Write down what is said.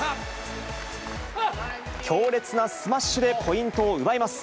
強烈なスマッシュでポイントを奪います。